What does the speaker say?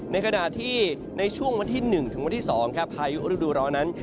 ในขณะที่ในช่วงวันที่๑ถึงวันที่๒ครับภายอุดรธรรมนั้น